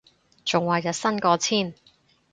仲話日薪過千